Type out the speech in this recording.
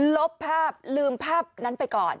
ลบภาพลืมภาพนั้นไปก่อน